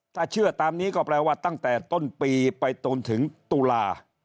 ถ้าเชื่อตามนี้ก็แปลว่าตั้งแต่ต้นปีไปจนถึงตุลา